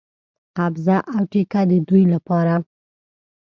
قبضه او ټیکه د دوی لپاره.